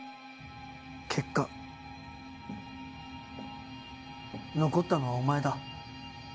結果残ったのはお前だ。